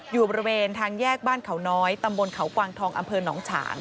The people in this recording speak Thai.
อยู่บริเวณทางแยกบ้านเขาน้อยตำบลเขากวางทองอำเภอหนองฉาง